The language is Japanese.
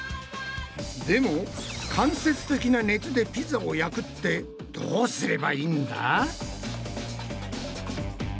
でも間接的な熱でピザを焼くってどうすればいいんだ？